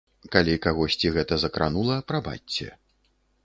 Калі кагосьці гэта закранула, прабачце.